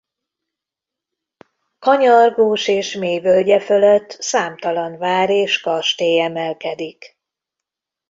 Kanyargós és mély völgye fölött számtalan vár és kastély emelkedik.